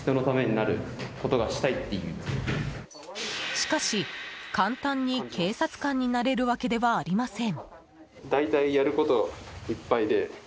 しかし、簡単に警察官になれるわけではありません。